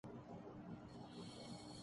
آپ کو کس بات کی تکلیف ہے؟